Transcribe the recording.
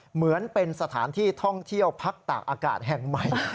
เหมือนเป็นสถานที่ท่องเที่ยวพักตากอากาศแห่งใหม่